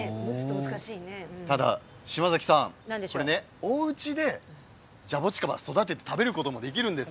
ただ島崎さん、おうちでジャボチカバを育てて食べることもできるんです。